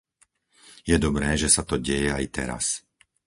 Je dobré, že sa to deje aj teraz.